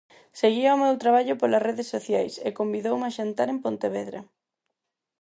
Seguía o meu traballo polas redes sociais e convidoume a xantar en Pontevedra.